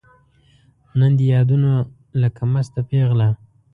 نن دي یادونو لکه مسته پیغله